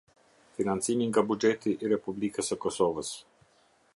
Financimi nga Buxheti i Republikës së Kosovës.